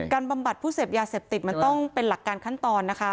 บำบัดผู้เสพยาเสพติดมันต้องเป็นหลักการขั้นตอนนะคะ